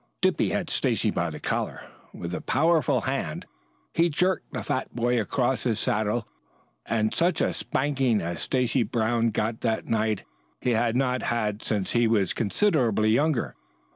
Dippy had Stacy by the collar. With a powerful hand he jerked the fat boy across his saddle and such a spanking as Stacy Brown got that night he had not had since he was considerably younger.